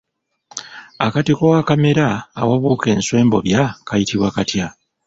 Akatiko akamera awabuuka enswa embobya kayitibwa katya?